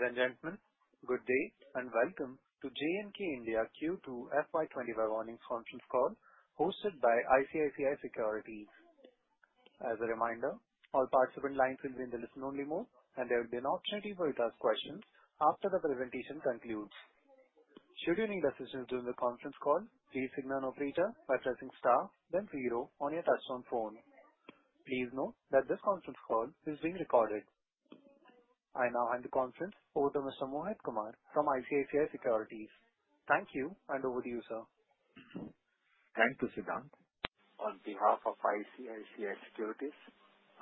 Ladies and gentlemen, good day and welcome to JNK India Q2 FY 2025 earnings conference call hosted by ICICI Securities. As a reminder, all participant lines will be in the listen only mode and there will be an opportunity for you to ask questions after the presentation concludes. Should you need assistance during the conference call, please signal an operator by pressing star then zero on your touchtone phone. Please note that this conference call is being recorded. I now hand the conference over to Mr. Mohit Kumar from ICICI Securities. Thank you and over to you, sir. Thank you, Sudhanshu. On behalf of ICICI Securities,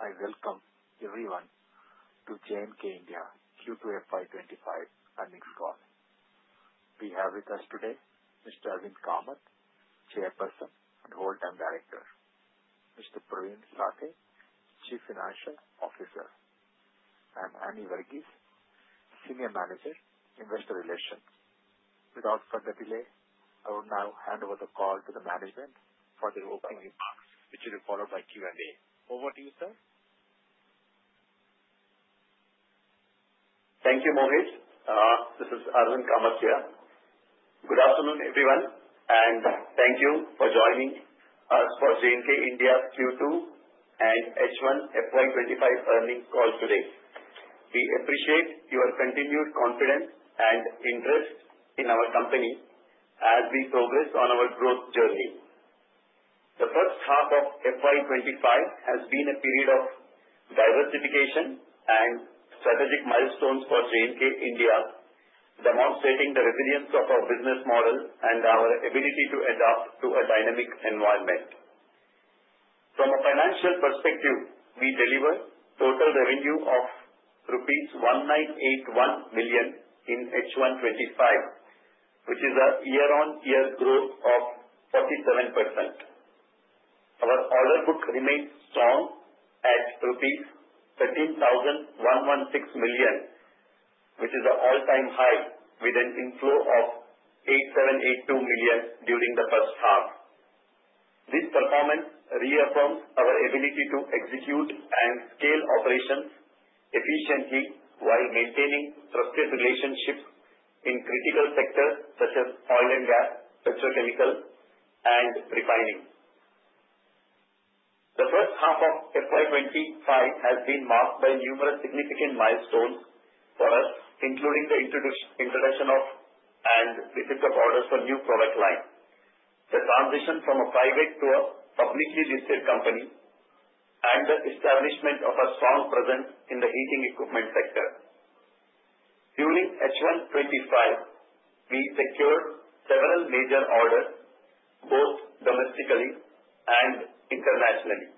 I welcome everyone to JNK India Q2 FY 2025 earnings call. We have with us today Mr. Arvind Kamath, Chairperson and Whole-time Director, Mr. Pravin Sathe, Chief Financial Officer, Annie Varghese, Senior Manager, Investor Relations. Without further delay, I will now hand over the call to the management for the opening remarks, which will be followed by Q&A. Over to you, sir. Thank you, Mohit. This is Arvind Kamath here. Good afternoon, everyone, and thank you for joining us for JNK India Q2 and H1 FY 2025 earnings call today. We appreciate your continued confidence and interest in our company as we progress on our growth journey. The first half of FY 2025 has been a period of diversification and strategic milestones for JNK India, demonstrating the resilience of our business model and our ability to adapt to a dynamic environment. From a financial perspective, we delivered total revenue of rupees 1,981 million in H1 2025, which is a year-on-year growth of 47%. Our order book remains strong at rupees 13,116 million, which is an all-time high with an inflow of 8,782 million during the first half. This performance reaffirms our ability to execute and scale operations efficiently while maintaining trusted relationships in critical sectors such as oil and gas, petrochemical and refining. The first half of FY 2025 has been marked by numerous significant milestones for us, including the introduction of and receipt of orders for new product line, the transition from a private to a publicly listed company, and the establishment of a strong presence in the heating equipment sector. During H1 2025, we secured several major orders both domestically and internationally.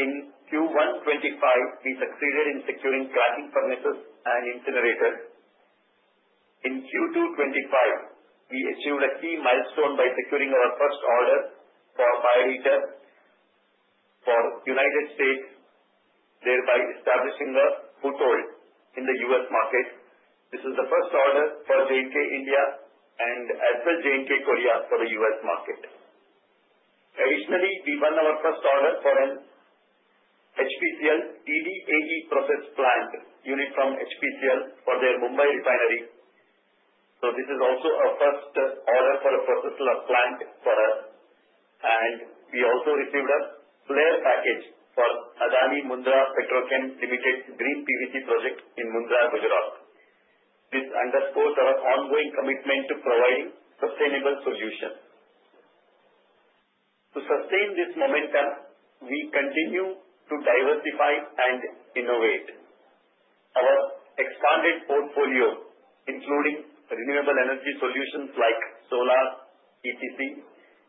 In Q1 2025, we succeeded in securing cracking furnaces and incinerators. In Q2 2025, we achieved a key milestone by securing our first order for a pyroheater for U.S., thereby establishing a foothold in the U.S. market. This is the first order for JNK India and as well JNK Korea for the U.S. market. Additionally, we won our first order for an HPCL ED-AD process plant unit from HPCL for their Mumbai refinery. This is also our first order for a process plant for us. We also received a flare package for Adani Mundra Petrochem Limited green PVC project in Mundra, Gujarat. This underscores our ongoing commitment to providing sustainable solutions. To sustain this momentum, we continue to diversify and innovate. Our expanded portfolio, including renewable energy solutions like solar, EPC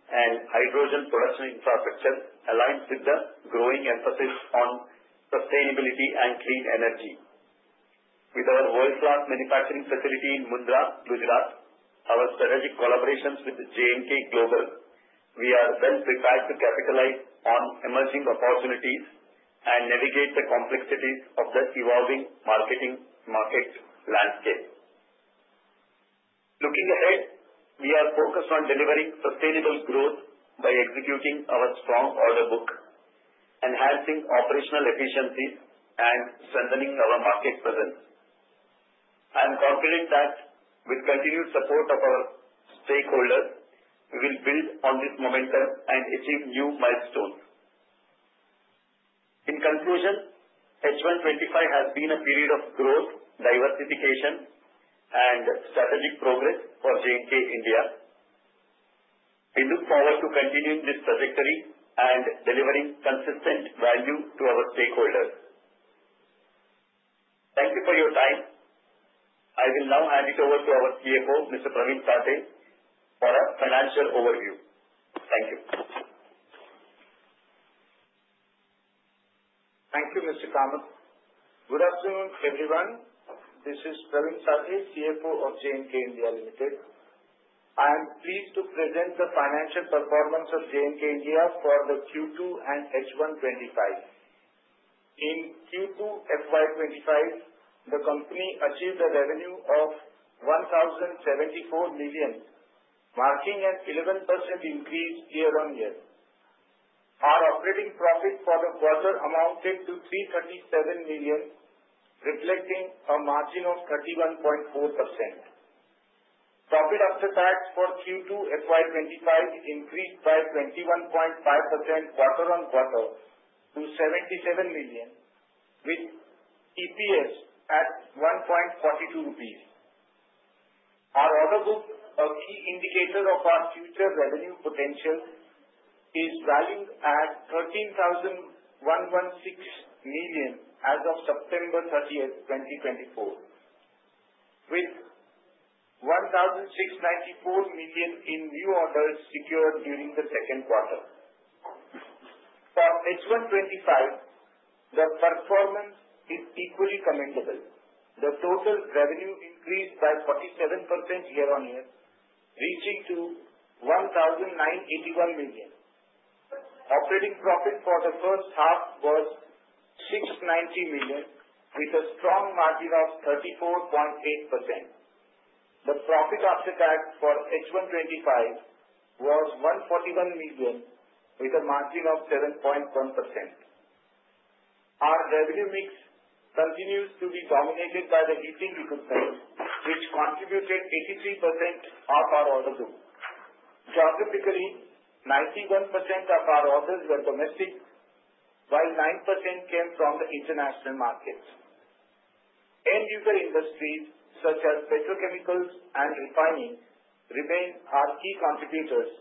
and hydrogen production infrastructure, aligns with the growing emphasis on sustainability and clean energy. With our world-class manufacturing facility in Mundra, Gujarat, our strategic collaborations with JNK Global, we are well prepared to capitalize on emerging opportunities and navigate the complexities of this evolving marketing market landscape. Looking ahead, we are focused on delivering sustainable growth by executing our strong order book, enhancing operational efficiencies, and strengthening our market presence. I am confident that with continued support of our stakeholders, we will build on this momentum and achieve new milestones. In conclusion, H1 2025 has been a period of growth, diversification, and strategic progress for JNK India. We look forward to continuing this trajectory and delivering consistent value to our stakeholders. Thank you for your time. I will now hand it over to our CFO, Mr. Pravin Sathe, for our financial overview. Thank you. Thank you, Mr. Kamath. Good afternoon, everyone. This is Pravin Sathe, CFO of JNK India Limited. I am pleased to present the financial performance of JNK India for the Q2 and H1 2025. In Q2 FY 2025, the company achieved a revenue of 1,074 million, marking an 11% increase year-on-year. Our operating profit for the quarter amounted to 337 million, reflecting a margin of 31.4%. Profit after tax for Q2 FY 2025 increased by 21.5% quarter-on-quarter to 77 million with EPS at 1.42 rupees. Our order book, a key indicator of our future revenue potential, is valued at 13,116 million as of September 30th, 2024, with 1,694 million in new orders secured during the second quarter. For H1 2025, the performance is equally commendable. The total revenue increased by 47% year-on-year, reaching to 1,981 million. Operating profit for the first half was 690 million, with a strong margin of 34.8%. The profit after tax for H1 2025 was 141 million, with a margin of 7.1%. Our revenue mix continues to be dominated by the heating equipment, which contributed 83% of our order book. Geographically, 91% of our orders were domestic, while 9% came from the international markets. End-user industries such as petrochemicals and refining remain our key contributors,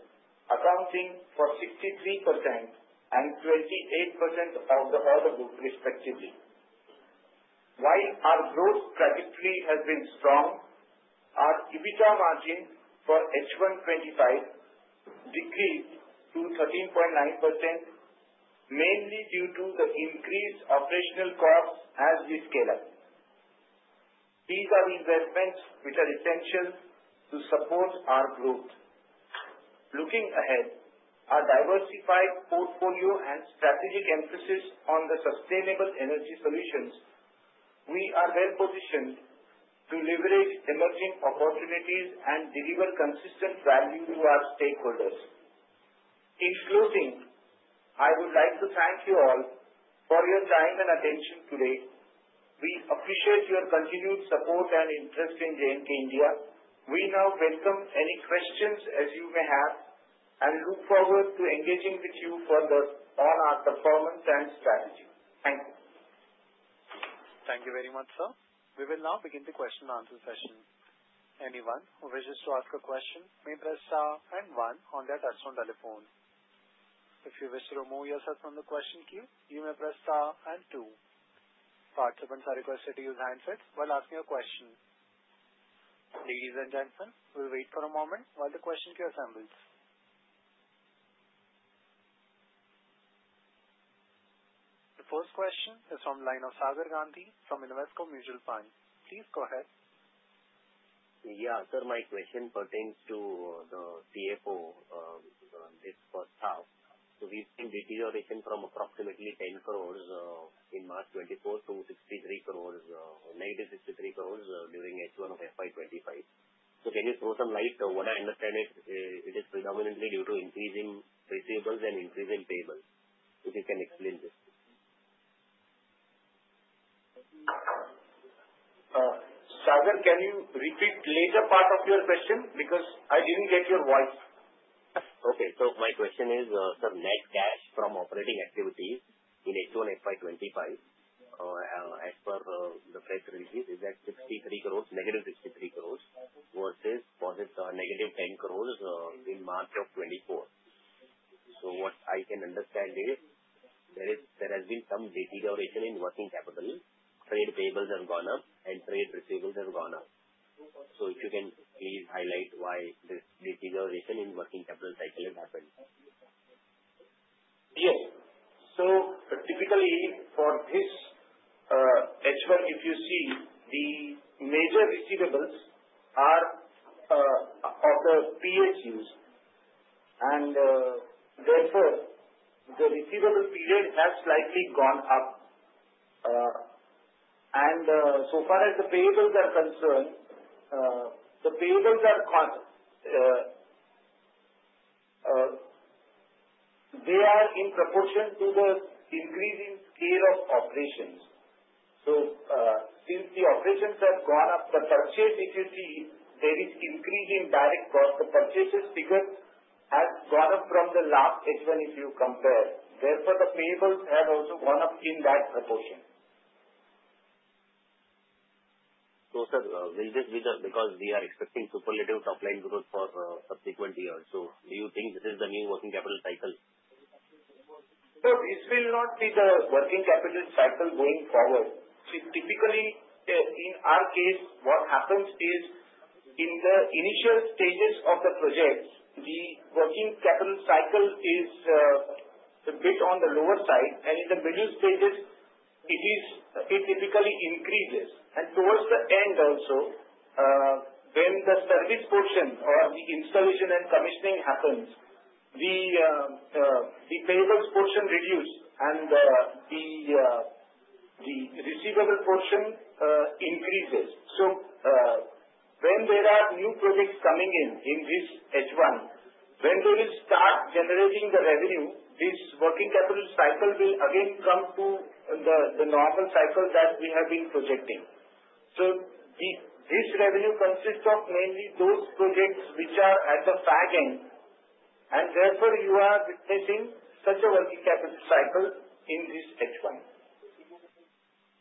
accounting for 63% and 28% of the order book respectively. While our growth trajectory has been strong, our EBITDA margin for H1 2025 decreased to 13.9%, mainly due to the increased operational costs as we scale up. These are investments which are essential to support our growth. Looking ahead, our diversified portfolio and strategic emphasis on the sustainable energy solutions, we are well-positioned to leverage emerging opportunities and deliver consistent value to our stakeholders. In closing, I would like to thank you all for your time and attention today. We appreciate your continued support and interest in JNK India. We now welcome any questions as you may have and look forward to engaging with you further on our performance and strategy. Thank you. Thank you very much, sir. We will now begin the question and answer session. Anyone who wishes to ask a question may press star and one on their touchtone telephone. If you wish to remove yourself from the question queue, you may press star and two. Participants are requested to use handsets while asking a question. Ladies and gentlemen, we will wait for a moment while the question queue assembles. The first question is from line of Sagar Gandhi from Invesco Mutual Fund. Please go ahead. Yeah. Sir, my question pertains to the CFO, which is on this first half. We've seen deterioration from approximately 10 crores in March 2024 to 63 crores, -63 crores during H1 of FY 2025. Can you throw some light? From what I understand is, it is predominantly due to increasing receivables and increasing payables. If you can explain this. Sagar, can you repeat later part of your question? I didn't get your voice. Okay. My question is, sir, net cash from operating activities in H1 FY 2025, as per the press release, is at 63 crores, -63 crores versus -10 crores in March of 2024. What I can understand is there has been some deterioration in working capital. Trade payables have gone up and trade receivables have gone up. If you can please highlight why this deterioration in working capital cycle has happened. Yes. Typically for this H1, if you see, the major receivables are of the PSUs, and therefore, the receivable period has slightly gone up. So far as the payables are concerned, they are in proportion to the increasing scale of operations. Since the operations have gone up, the purchase, if you see, there is increasing direct cost of purchases because has gone up from the last H1 if you compare. Therefore, the payables have also gone up in that proportion. Because we are expecting superlative top-line growth for subsequent years. Do you think this is the new working capital cycle? No, this will not be the working capital cycle going forward. See, typically, in our case, what happens is in the initial stages of the projects, the working capital cycle is a bit on the lower side, and in the middle stages it typically increases. Towards the end also, when the service portion or the installation and commissioning happens, the payables portion reduce and the The receivable portion increases. When there are new projects coming in this H1, when they will start generating the revenue, this working capital cycle will again come to the normal cycle that we have been projecting. This revenue consists of mainly those projects which are at the back end, and therefore you are witnessing such a working capital cycle in this H1.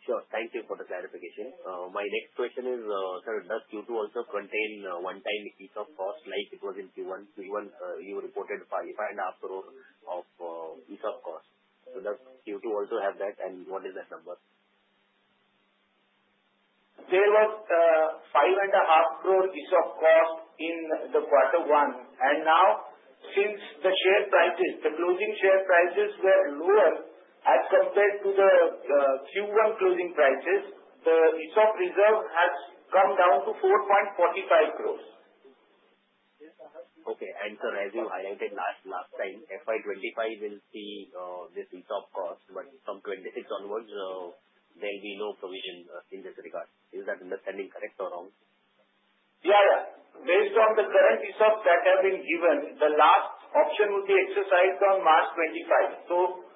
Sure. Thank you for the clarification. My next question is, sir, does Q2 also contain one-time ESOP cost like it was in Q1? Q1, you reported 5.5 crore of ESOP cost. Does Q2 also have that, and what is that number? There was INR 5.5 crore ESOP cost in Q1. Now since the share prices, the closing share prices were lower as compared to the Q1 closing prices, the ESOP reserve has come down to 4.45 crore. Okay. Sir, as you highlighted last time, FY 2025 will see this ESOP cost, but from 2026 onwards, there'll be no provision in this regard. Is that understanding correct or wrong? Yeah. Based on the current ESOP that have been given, the last option would be exercised on March 2025.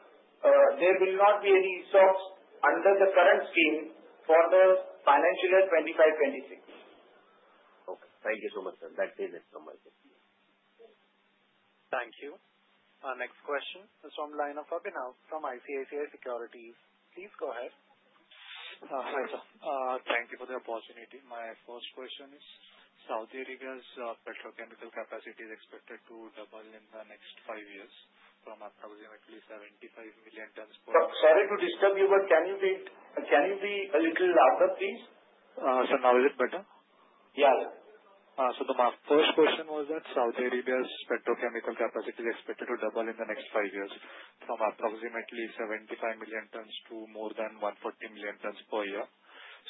There will not be any ESOPs under the current scheme for the financial year 2025, 2026. Okay. Thank you so much, sir. That was it from my side. Thank you. Our next question is from the line of Abhinav from ICICI Securities. Please go ahead. Hi, sir. Thank you for the opportunity. My first question is, Saudi Arabia's petrochemical capacity is expected to double in the next five years from approximately 75 million tons. Sorry to disturb you, but can you be a little louder, please? Sir, now is it better? Yeah. My first question was that Saudi Arabia's petrochemical capacity is expected to double in the next five years from approximately 75 million tons to more than 140 million tons per year.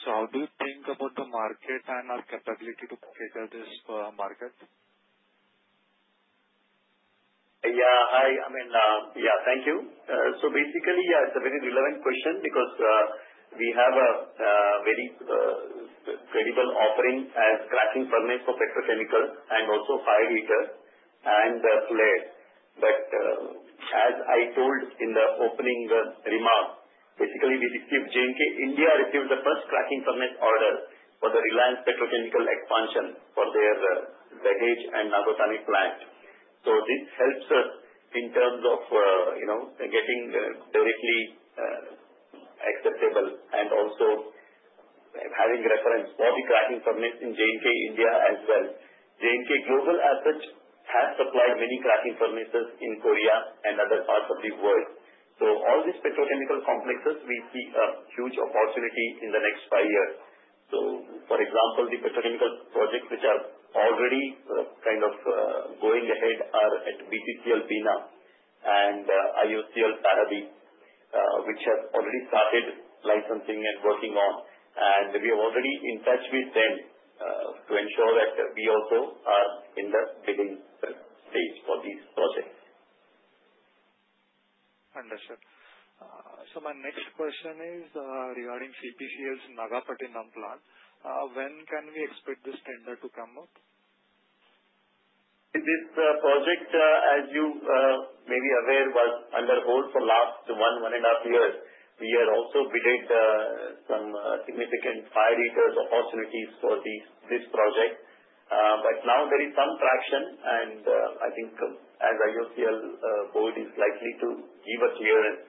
How do you think about the market and our capability to cater this market? Yeah. Thank you. Basically, it's a very relevant question because we have a very credible offering as cracking furnace for petrochemical and also fired heater and the flares. As I told in the opening remarks, basically JNK India received the first cracking furnace order for the Reliance Petrochemical expansion for their Dahej and naphtha cracking plant. This helps us in terms of getting directly acceptable and also having reference for the cracking furnace in JNK India as well. JNK Global as such has supplied many cracking furnaces in Korea and other parts of the world. All these petrochemical complexes, we see a huge opportunity in the next five years. For example, the petrochemical projects which are already kind of going ahead are at BPCL, Bina and IOCL, Paradip which have already started licensing and working on, and we are already in touch with them, to ensure that we also are in the bidding stage for these projects. Understood. My next question is regarding CPCL's Nagapattinam plant. When can we expect this tender to come out? This project, as you may be aware, was under hold for last 1.5 years. We had also bid some significant fire heater opportunities for this project. Now there is some traction and I think as IOCL board is likely to give a clearance,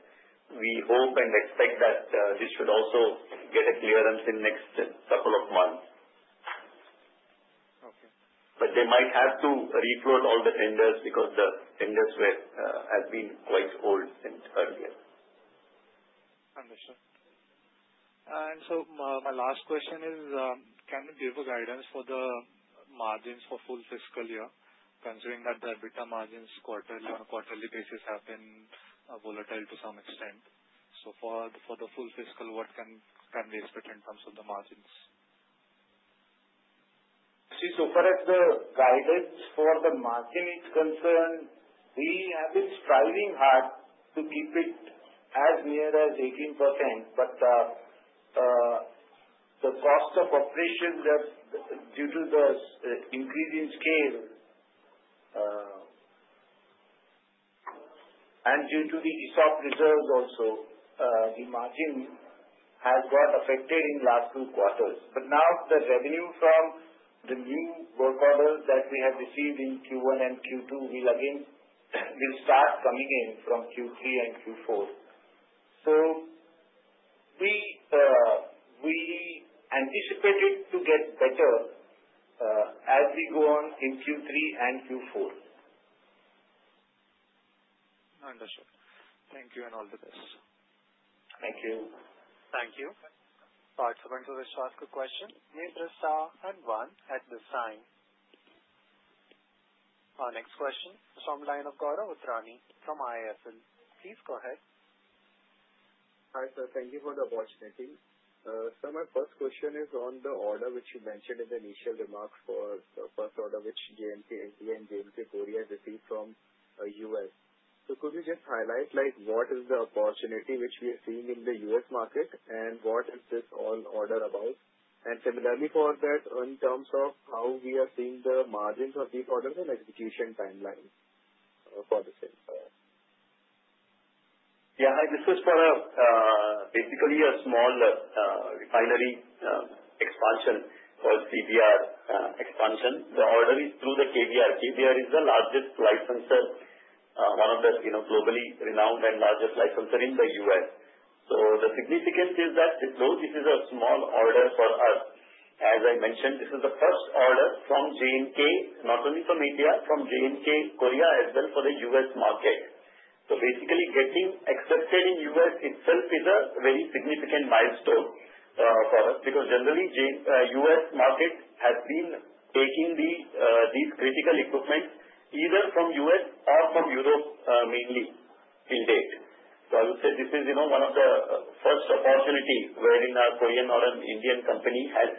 we hope and expect that this should also get a clearance in next couple of months. Okay. They might have to re-float all the tenders because the tenders had been quite old since earlier. Understood. My last question is, can you give a guidance for the margins for full fiscal year, considering that the EBITDA margins on a quarterly basis have been volatile to some extent. For the full fiscal, what can we expect in terms of the margins? See, so far as the guidance for the margin is concerned, we have been striving hard to keep it as near as 18%, but the cost of operation due to the increase in scale and due to the ESOP reserve also, the margin has got affected in last two quarters. Now the revenue from the new work orders that we have received in Q1 and Q2 will start coming in from Q3 and Q4. We anticipate it to get better as we go on in Q3 and Q4. Understood. Thank you and all the best. Thank you. Thank you. Participant who wish to ask a question, may press star and one at this time. Our next question is from the line of Gaurav Uttrani from IIFL. Please go ahead. Hi, sir. Thank you for the opportunity. My first question is on the order which you mentioned in the initial remarks for the first order which JNK India and JNK Korea has received from U.S. Could you just highlight what is the opportunity which we are seeing in the U.S. market, and what is this order about? Similarly for that, in terms of how we are seeing the margins of these orders and execution timelines for the same. Yeah. This was for basically a small refinery expansion called KBR expansion. The order is through the KBR. KBR is the largest licensor, one of the globally renowned and largest licensor in the U.S. The significance is that though this is a small order for us, as I mentioned, this is the first order from JNK, not only from India, from JNK Korea as well for the U.S. market. Basically getting accepted in U.S. itself is a very significant milestone for us because generally, U.S. market has been taking these critical equipment either from U.S. or from Europe mainly till date. I would say this is one of the first opportunity wherein a Korean or an Indian company has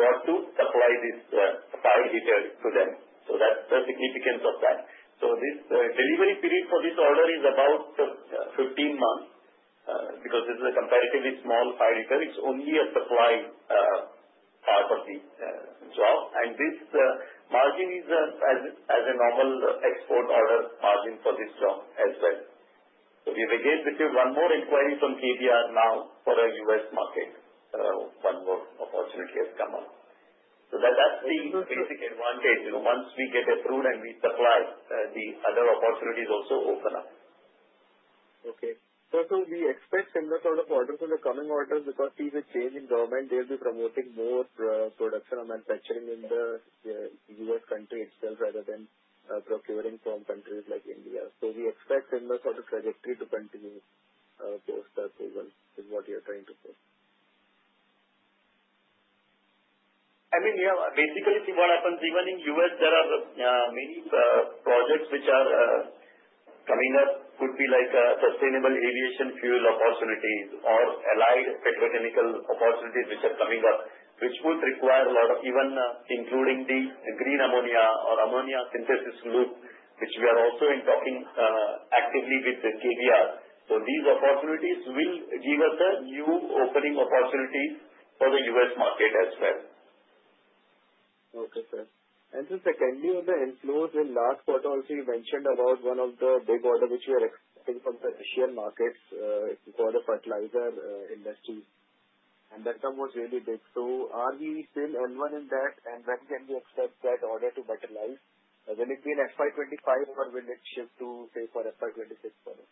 got to supply this pyroheater to them. That's the significance of that. This delivery period for this order is about 15 months, because this is a comparatively small pyroheater. It's only a supply part of the job. This margin is as a normal export order margin for this job as well. We have again received one more inquiry from KBR now for a U.S. market. One more opportunity has come up. That's the significant advantage. Once we get approved and we supply, the other opportunities also open up. Okay. Sir, we expect similar sort of orders in the coming orders because see the change in government, they'll be promoting more production and manufacturing in the U.S. country itself rather than procuring from countries like India. We expect similar sort of trajectory to continue post that as well, is what you're trying to say? I mean, yeah. Basically, see what happens, even in U.S., there are many projects which are coming up. Could be like sustainable aviation fuel opportunities or allied petrochemical opportunities which are coming up, which would require a lot of even including the green ammonia or ammonia synthesis loop, which we are also in talking actively with KBR. These opportunities will give us a new opening opportunity for the U.S. market as well. Okay, sir. Sir, secondly, on the inflows in last quarter also, you mentioned about one of the big order which you are expecting from the Asian markets. It's for the fertilizer industry. That sum was really big. Are we still earning that? When can we expect that order to materialize? Will it be in FY 2025 or will it shift to, say, for FY 2026 for it?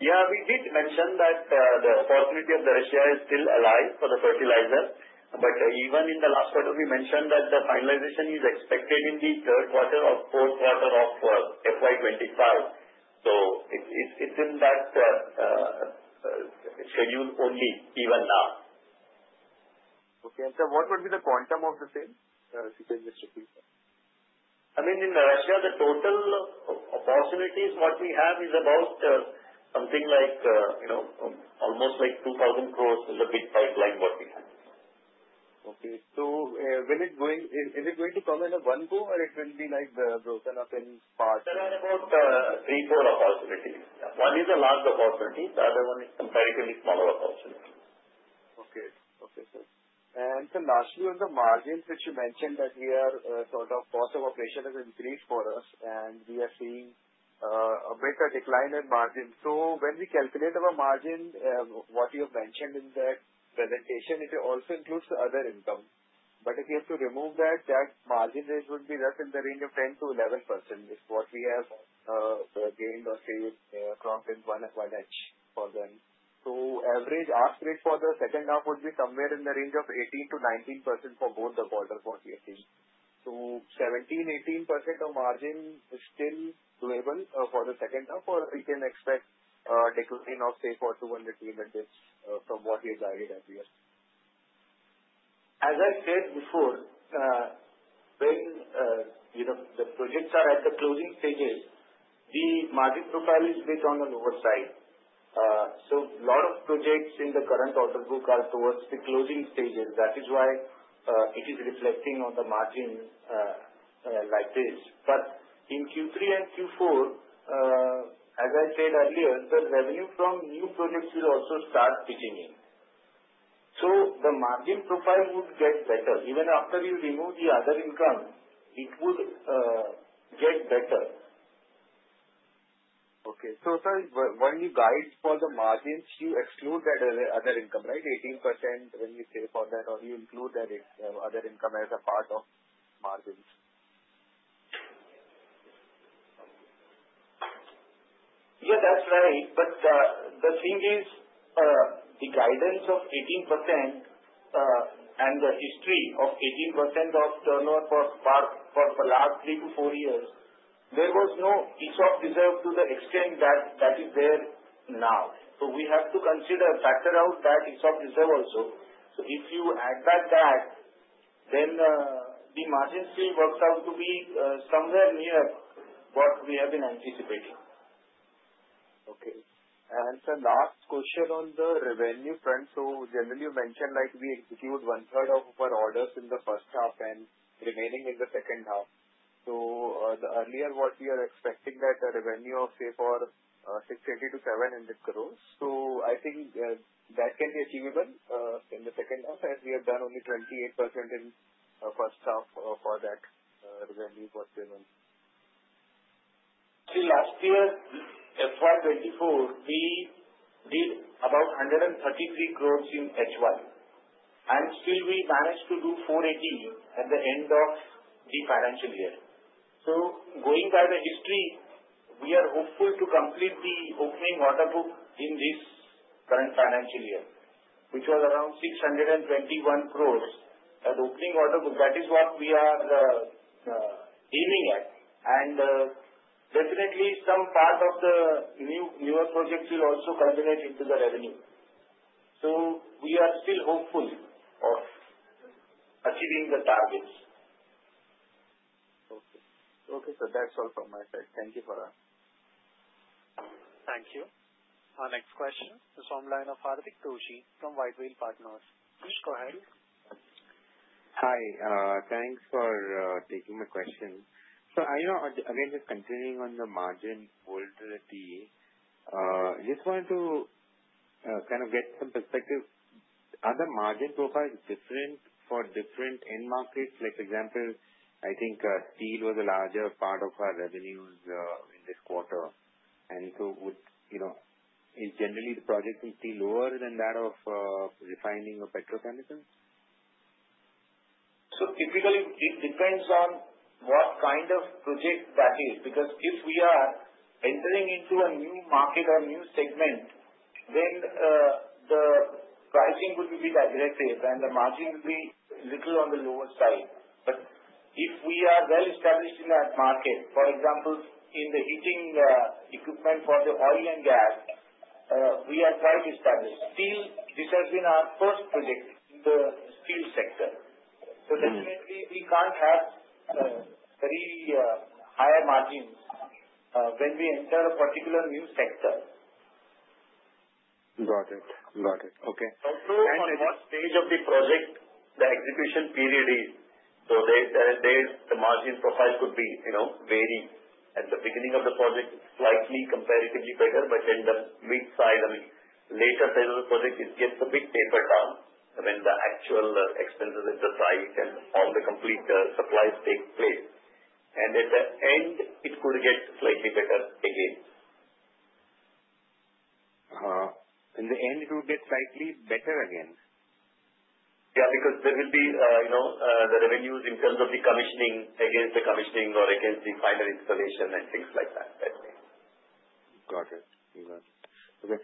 Yeah, we did mention that the possibility of Russia is still alive for the fertilizer. Even in the last quarter, we mentioned that the finalization is expected in the third quarter or fourth quarter of FY 2025. It's in that schedule only even now. Okay. Sir, what would be the quantum of the same, if you can just repeat that? I mean, in Russia, the total possibilities what we have is about something like almost 2,000 crores is a big pipeline what we have. Okay. Is it going to come in a one go or it will be broken up in parts? There are about three, four possibilities. One is a large opportunity; the other one is comparatively smaller opportunity. Okay. Okay, sir. Sir, lastly, on the margins, which you mentioned that here sort of cost of operation has increased for us, and we are seeing a greater decline in margin. When we calculate our margin, what you have mentioned in that presentation, it also includes the other income. If we have to remove that margin rate would be less in the range of 10%-11%, is what we have gained or say, crossed in H1 for them. Average ask rate for the second half would be somewhere in the range of 18%-19% for both the quarters for we are seeing. 17%-18% of margin is still doable for the second half, or we can expect a decline of, say, for 200 basis points from what we have guided every year. As I said before, when the projects are at the closing stages, the margin profile is bit on the higher sight. Lot of projects in the current order book are towards the closing stages. That is why it is reflecting on the margin like this. In Q3 and Q4, as I said earlier, the revenue from new projects will also start kicking in. The margin profile would get better. Even after you remove the other income, it would get better. Sir, when you guide for the margins, you exclude that other income, right? 18% when you say for that, or you include that other income as a part of margins? Yeah, that's right. The thing is, the guidance of 18% and the history of 18% of turnover for the last three to four years, there was no stock reserve to the extent that is there now. We have to consider, factor out that stock reserve also. If you add back that, then the margin still works out to be somewhere near what we have been anticipating. Okay. Sir, last question on the revenue front. Generally, you mentioned we execute one-third of our orders in the first half and remaining in the second half. Earlier what we are expecting that the revenue of say for 620 crore-700 crore. I think that can be achievable in the second half, as we have done only 28% in first half for that revenue for Q1. See, last year, FY 2024, we did about 133 crore in H1, and still we managed to do 480 crore at the end of the financial year. Going by the history, we are hopeful to complete the opening order book in this current financial year, which was around 621 crore. That opening order book, that is what we are aiming at. Definitely some part of the newer projects will also culminate into the revenue. We are still hopeful of achieving the targets. Okay. Okay, sir, that's all from my side. Thank you for that. Thank you. Our next question is from line of Hardik Doshi from White Whale Partners. Please go ahead. Hi. Thanks for taking the question. Again, just continuing on the margin volatility, just wanted to kind of get some perspective. Are the margin profiles different for different end markets? Like example, I think steel was a larger part of our revenues in this quarter. Is generally the project in steel lower than that of refining of petrochemicals? Typically, it depends on what kind of project that is, because if we are entering into a new market or new segment, then the pricing will be bit aggressive and the margin will be little on the lower side. If we are well-established in that market, for example, in the heating equipment for the oil and gas, we are quite established. Steel, this has been our first project in the steel sector. Definitely, we can't have very higher margins when we enter a particular new sector. Got it. Okay. Also on what stage of the project the execution period is. There the margin profile could vary. At the beginning of the project, slightly comparatively better, but in the mid cycle, later phase of the project, it gets a bit tapered down when the actual expenses arise and all the complete supplies takes place. At the end, it could get slightly better again. In the end, it will get slightly better again? Yeah, because there will be the revenues in terms of the commissioning against the commissioning or against the final installation and things like that. Got it. Okay.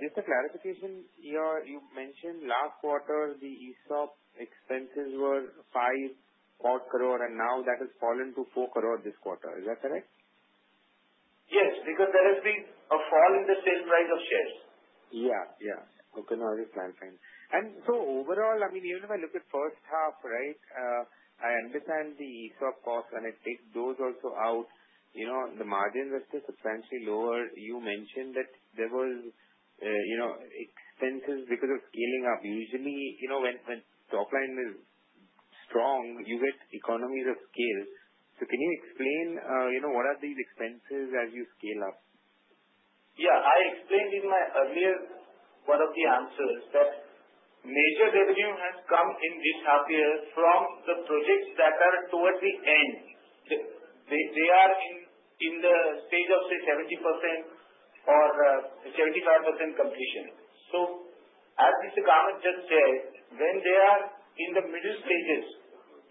Just a clarification here. You mentioned last quarter the ESOP expenses were 5 crore, and now that has fallen to 4 crore this quarter. Is that correct? Yes, because there has been a fall in the share price of shares. Yeah. Okay. No, it's fine. Overall, even if I look at first half, right? I understand the ESOP cost, and I take those also out. The margin was still substantially lower. You mentioned that there was expenses because of scaling up. Usually, when top line is strong, you get economies of scale. Can you explain what are these expenses as you scale up? Yeah, I explained in my earlier one of the answers that major revenue has come in this half year from the projects that are towards the end. They are in the stage of, say, 70% or 75% completion. As Mr. Kamath just said, when they are in the middle stages,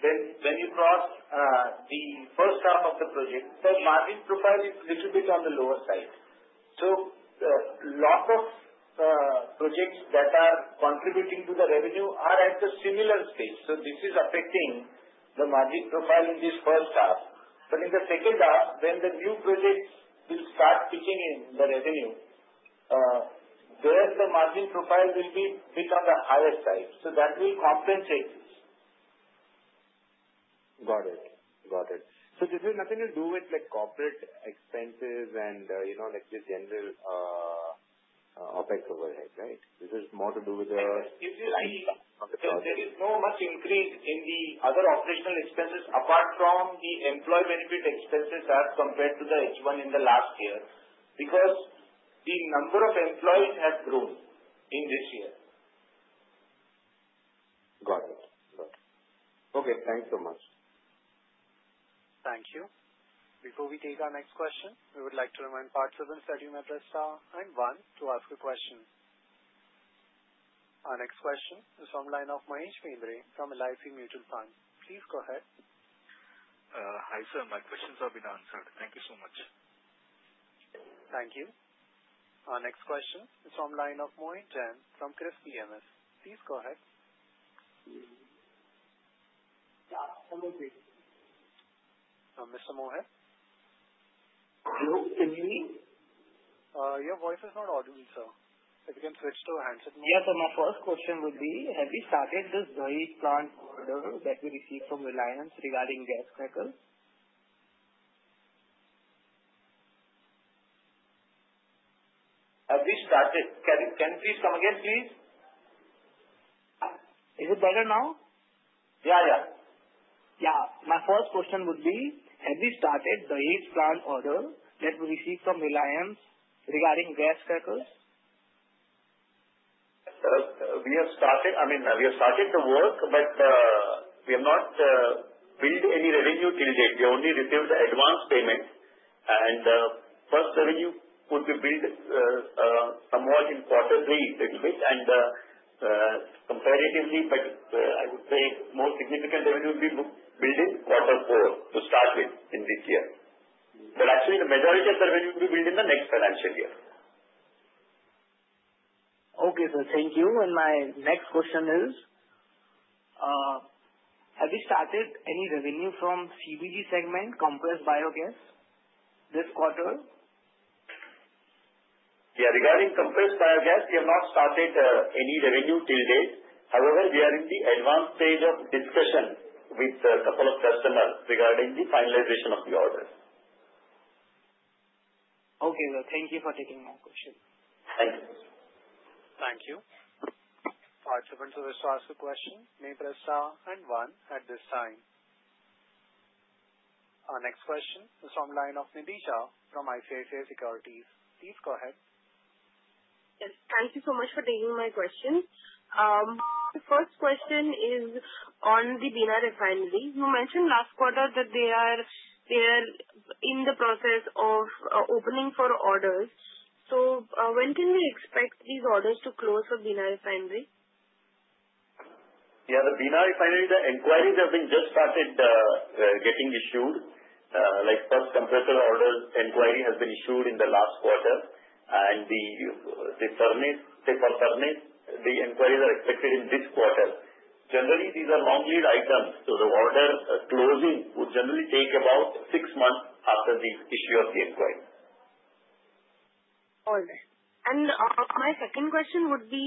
when you cross the first half of the project, the margin profile is little bit on the lower side. Lot of projects that are contributing to the revenue are at the similar stage. This is affecting the margin profile in this first half. In the second half, when the new projects will start kicking in, the revenue, there the margin profile will be bit on the higher side. That will compensate this. Got it. This is nothing to do with corporate expenses and like the general OpEx overhead, right? There is no much increase in the other operational expenses apart from the employee benefit expenses as compared to the H1 in the last year because the number of employees has grown in this year. Got it. Okay. Thanks so much. Thank you. Before we take our next question, we would like to remind participants that you may press star and one to ask a question. Our next question is from line of Mahesh Bendre from LIC Mutual Fund. Please go ahead. Hi, sir. My questions have been answered. Thank you so much. Thank you. Our next question is from line of Mohit Jain from Kriis PMS. Please go ahead. Yeah, I'm agreed. Mr. Mohit? Hello, can you hear me? Your voice is not audible, sir. If you can switch to a handset. Yeah. My first question would be, have you started this Dahej plant order that we received from Reliance regarding gas crackers? Have we started? Can you please come again, please? Is it better now? Yeah. Yeah. My first question would be, have you started Dahej plant order that we received from Reliance regarding gas crackers? We have started the work, but we have not billed any revenue till date. We only received the advance payment, and first revenue could be billed somewhat in quarter three, little bit, and comparatively, but I would say more significant revenue will be billed in quarter four to start with in this year. Actually, the majority of revenue will be billed in the next financial year. Okay, sir. Thank you. My next question is, have you started any revenue from CBG segment, compressed biogas, this quarter? Yeah. Regarding compressed biogas, we have not started any revenue till date. However, we are in the advanced stage of discussion with a couple of customers regarding the finalization of the order. Okay. Well, thank you for taking my question. Thank you. Thank you. Our next question is from line of Nidhi Shah from ICICI Securities. Please go ahead. Yes. Thank you so much for taking my question. The first question is on the Barauni refinery. You mentioned last quarter that they are in the process of opening for orders. When can we expect these orders to close for Barauni refinery? Yeah. The Barauni refinery, the inquiries have been just started getting issued. Like first compressor orders inquiry has been issued in the last quarter. The Panipat, the inquiries are expected in this quarter. Generally, these are long lead items, so the order closing would generally take about six months after the issue of the inquiry. All right. My second question would be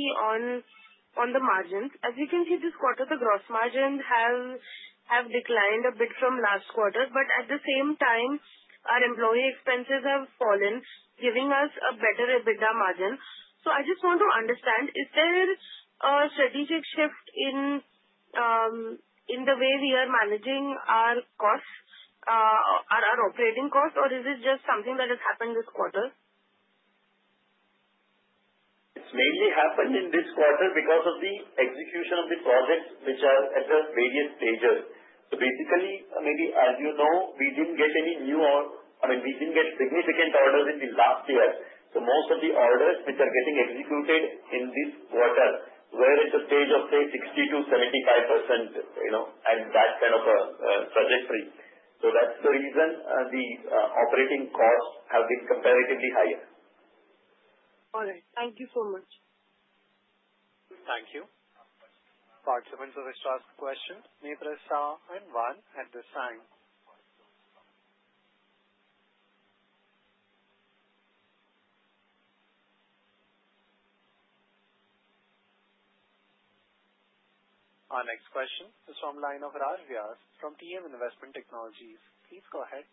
on the margins. As we can see this quarter, the gross margin have declined a bit from last quarter, but at the same time, our employee expenses have fallen, giving us a better EBITDA margin. I just want to understand, is there a strategic shift in the way we are managing our operating costs, or is it just something that has happened this quarter? It's mainly happened in this quarter because of the execution of the projects which are at the various stages. Basically, maybe as you know, we didn't get significant orders in the last year. Most of the orders which are getting executed in this quarter were at a stage of, say, 60%-75%, and that kind of a project phase. That's the reason the operating costs have been comparatively higher. All right. Thank you so much. Thank you. Our next question is from line of Raj Vyas from TM Investment Technologies. Please go ahead.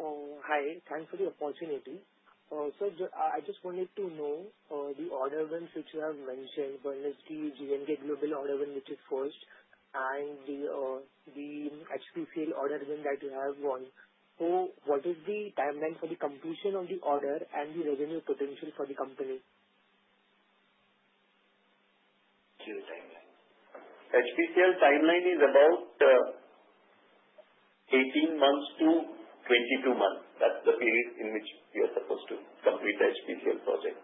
Hi. Thanks for the opportunity. Sir, I just wanted to know the order wins which you have mentioned. One is the JNK Global order win, which is first, and the HPCL order win that you have won. What is the timeline for the completion of the order and the revenue potential for the company? Timelines. HPCL timeline is about 18 months-22 months. That's the period in which we are supposed to complete the HPCL project.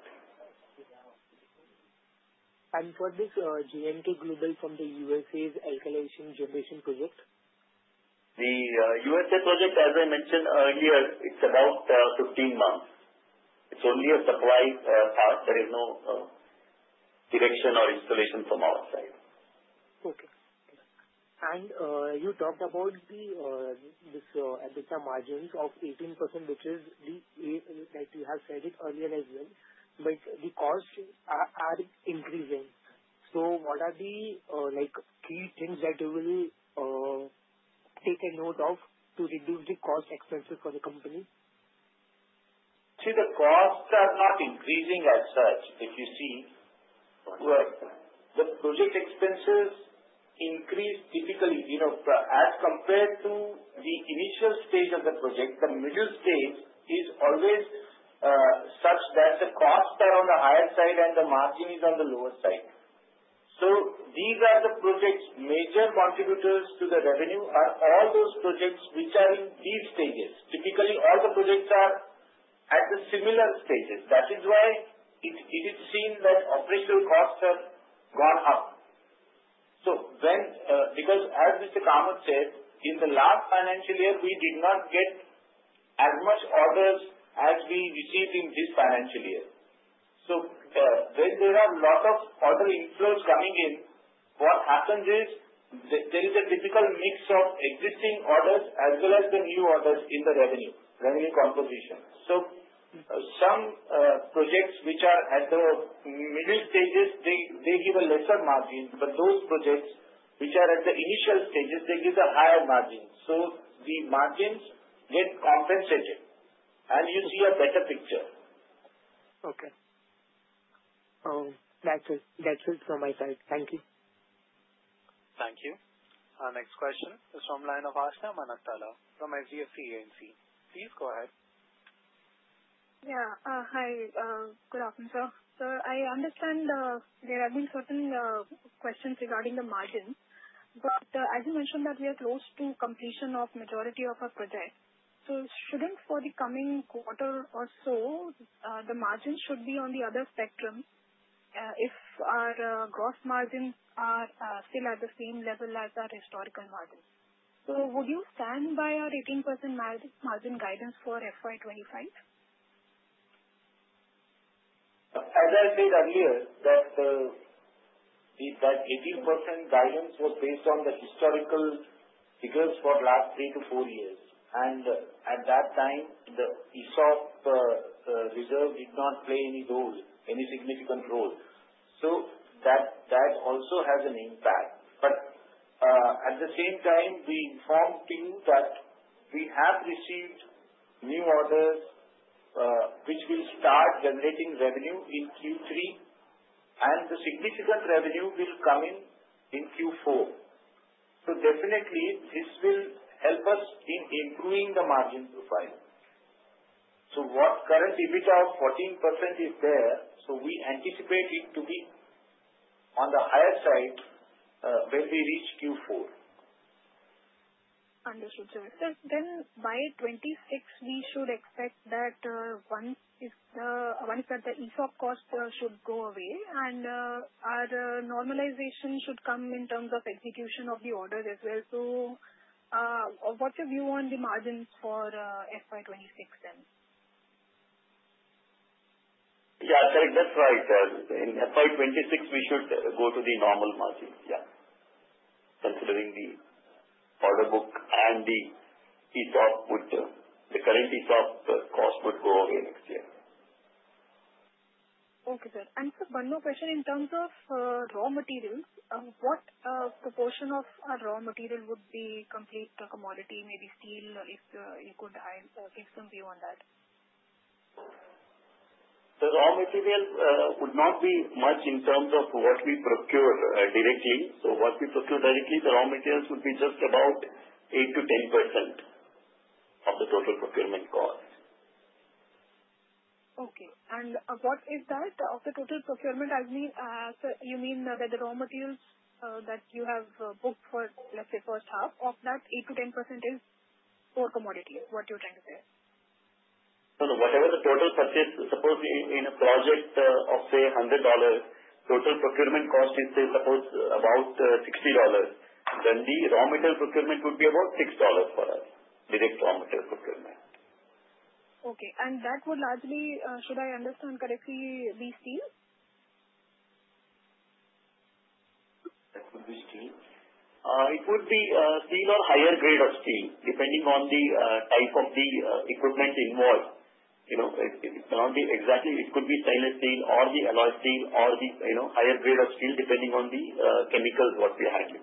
For this JNK Global from the USA alkylation generation project? The USA project, as I mentioned earlier, it's about 15 months. It's only a supply part. There is no direction or installation from our side. Okay. You talked about this EBITDA margins of 18%, which is like you have said it earlier as well, but the costs are increasing. What are the key things that you will take a note of to reduce the cost expenses for the company? The costs are not increasing as such. If you see where the project expenses increase typically as compared to the initial stage of the project, the middle stage is always such that the costs are on the higher side and the margin is on the lower side. These are the projects. Major contributors to the revenue are all those projects which are in these stages. Typically, all the projects are at the similar stages. That is why it is seen that operational costs have gone up. As Mr. Kamath said, in the last financial year, we did not get as much orders as we received in this financial year. When there are lot of order inflows coming in, what happens is there is a typical mix of existing orders as well as the new orders in the revenue composition. Some projects which are at the middle stages, they give a lesser margin. Those projects which are at the initial stages, they give a higher margin. The margins get compensated and you see a better picture. Okay. That's it from my side. Thank you. Thank you. Our next question is from line of Aashna Manaktala from HDFC AMC. Please go ahead. Yeah. Hi. Good afternoon, sir. I understand there have been certain questions regarding the margin, but as you mentioned that we are close to completion of majority of our projects. Shouldn't for the coming quarter or so, the margin should be on the other spectrum, if our gross margins are still at the same level as our historical margins. Would you stand by our 18% margin guidance for FY 2025? As I said earlier, that 18% guidance was based on the historical figures for last three to four years, and at that time, the ESOP reserve did not play any significant role. That also has an impact. At the same time, we informed you that we have received new orders which will start generating revenue in Q3, and the significant revenue will come in in Q4. Definitely this will help us in improving the margin profile. What current EBITDA of 14% is there, so we anticipate it to be on the higher side when we reach Q4. Understood, sir. By 2026, we should expect that once the ESOP cost should go away and our normalization should come in terms of execution of the order as well. What's your view on the margins for FY 2026 then? Yeah, correct. That's right. In FY 2026, we should go to the normal margins. Yeah. Considering the order book and the current ESOP cost would go away next year. Okay, sir. Sir, one more question in terms of raw materials, what proportion of our raw material would be complete commodity, maybe steel, if you could give some view on that? The raw materials would not be much in terms of what we procure directly. What we procure directly, the raw materials would be just about 8%-10% of the total procurement cost. Okay. What is that of the total procurement? You mean that the raw materials that you have booked for, let's say, first half of that 8%-10% is for commodity? What you're trying to say? No, no. Suppose in a project of say, $100, total procurement cost is suppose about $60, then the raw material procurement would be about $6 for us. Direct raw material procurement. Okay. That would largely, should I understand correctly, be steel? That could be steel. It could be steel or higher grade of steel, depending on the type of the equipment involved. It could be stainless steel or the alloy steel or the higher grade of steel, depending on the chemicals, what we are handling.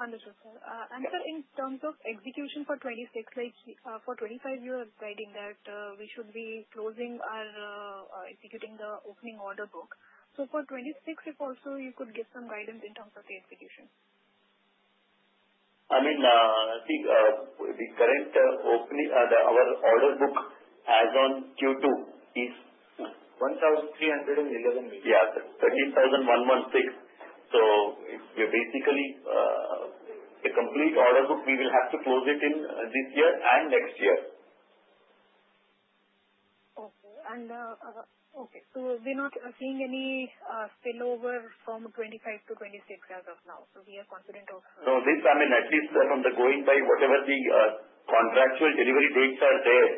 Understood, sir. Sir, in terms of execution for 2026, like for 2025, you are stating that we should be closing our executing the opening order book. For 2026, if also you could give some guidance in terms of the execution. Our order book as on Q2 is 1,311 million. Yeah. 13,116. Basically, a complete order book, we will have to close it in this year and next year. Okay. We're not seeing any spill-over from 2025 to 2026 as of now. We are confident. No, at least from the going by, whatever the contractual delivery dates are there,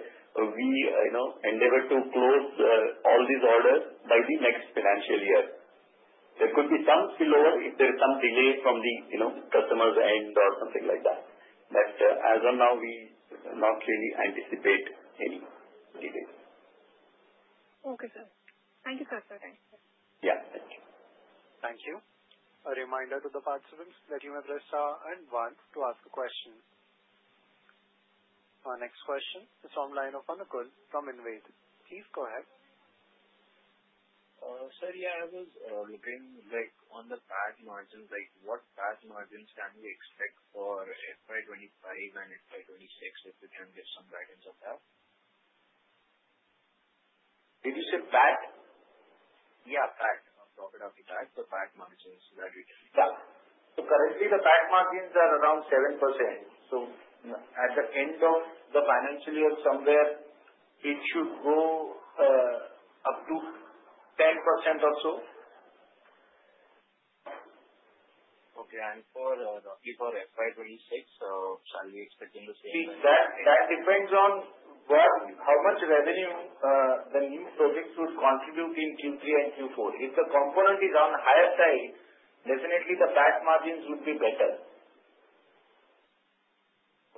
we endeavor to close all these orders by the next financial year. There could be some spill-over if there's some delay from the customer's end or something like that. As of now, we not really anticipate any delays. Okay, sir. Thank you, sir. Yeah. Thank you. Thank you. A reminder to the participants that you may press star and one to ask a question. Our next question is on line of Anukul from InvIT. Please go ahead. Sir, yeah, I was looking on the PAT margins, what PAT margins can we expect for FY 2025 and FY 2026? If you can give some guidance of that. Did you say PAT? Yeah, PAT. Profit After Tax. PAT margins that we can expect. Currently the PAT margins are around 7%. At the end of the financial year somewhere, it should go up to 10% or so. Okay. Roughly for FY 2026, shall we be expecting the same? That depends on how much revenue the new projects would contribute in Q3 and Q4. If the component is on the higher side, definitely the PAT margins would be better.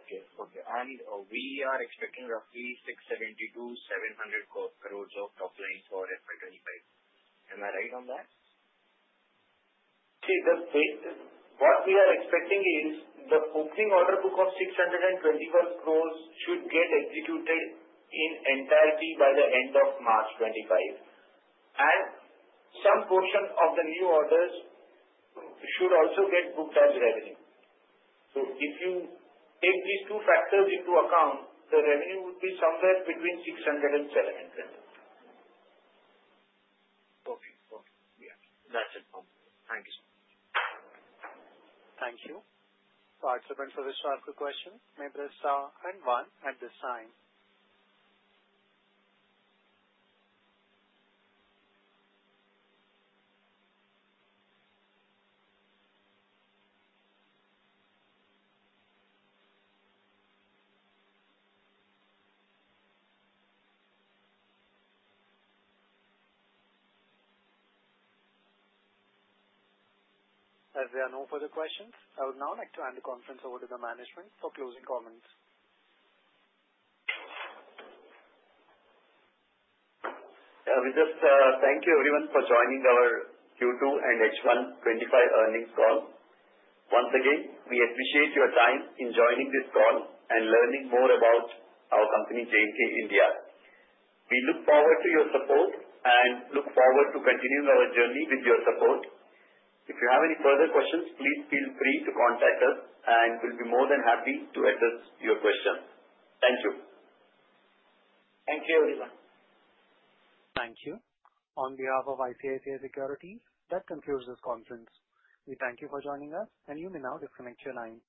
Okay. We are expecting roughly 670 crores-700 crores of top line for FY 2025. Am I right on that? What we are expecting is the opening order book of 621 crores should get executed in entirety by the end of March 2025, and some portion of the new orders should also get booked as revenue. If you take these two factors into account, the revenue would be somewhere between 600 and 700. Perfect. Yeah. That's it. Thank you, sir. Thank you. For participant who wish to ask a question, may press star and one at this time. There are no further questions, I would now like to hand the conference over to the management for closing comments. We just thank you everyone for joining our Q2 and H1 2025 earnings call. Once again, we appreciate your time in joining this call and learning more about our company, JNK India. We look forward to your support and look forward to continuing our journey with your support. If you have any further questions, please feel free to contact us and we'll be more than happy to address your question. Thank you. Thank you, everyone. Thank you. On behalf of ICICI Securities, that concludes this conference. We thank you for joining us and you may now disconnect your lines.